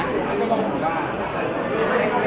ก็น่าจะห่วงได้